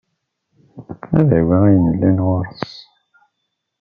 Ad awiɣ ayen yellan ɣur-s.